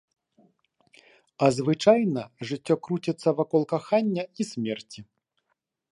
А звычайна жыццё круціцца вакол кахання і смерці.